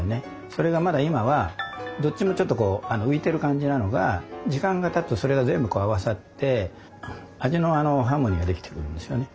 それがまだ今はどっちもちょっとこう浮いてる感じなのが時間がたつとそれが全部合わさって味のハーモニーができてくるんですよね。